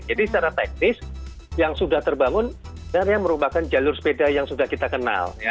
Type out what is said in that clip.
jadi secara teknis yang sudah terbangun sebenarnya merupakan jalur sepeda yang sudah kita kenal